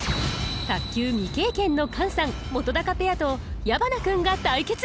卓球未経験のカンさん本ペアと矢花君が対決！